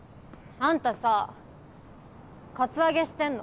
アンタさぁカツアゲしてんの？